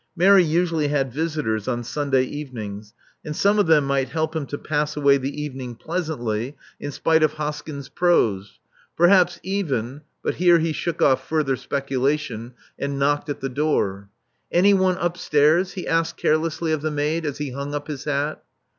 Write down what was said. Mary usually had visitors on Sunday evenings; and some of them might help him to pass away the evening pleasantly in spite of Hoskyn's 432 Love Among the Artists prose. Perhaps even — but here he shook off furthei speculation, and knocked at the door. Anyone upstairs?" he asked carelessly of the maid, as he hung up his hat.